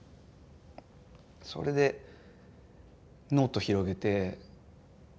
それでノート広げて。